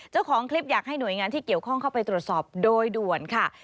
เจ้าของคลิปอยากให้หน่วยงานที่เกี่ยวข้องเข้าไปตรวจสอบโดยด่วนค่ะ